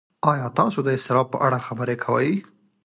ایا تاسو د اضطراب په اړه خبرې کوئ؟